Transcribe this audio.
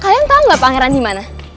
kalian tau gak pangeran dimana